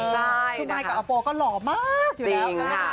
ใช่คุณมายกับอัปโปรก็หล่อมากอยู่แล้วค่ะ